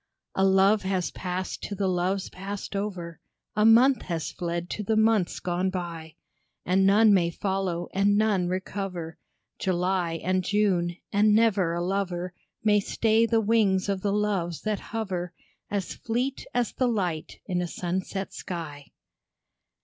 A love has passed to the loves passed over, A month has fled to the months gone by; And none may follow, and none recover July and June, and never a lover May stay the wings of the Loves that hover, As fleet as the light in a sunset sky.